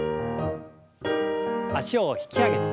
脚を引き上げて。